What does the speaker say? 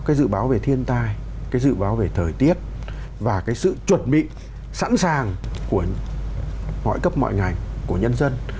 cái dự báo về thiên tai cái dự báo về thời tiết và cái sự chuẩn bị sẵn sàng của mọi cấp mọi ngành của nhân dân